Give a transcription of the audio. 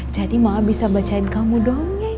jadi mama bisa bacain kamu dong ya